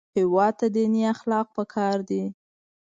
هېواد ته دیني اخلاق پکار دي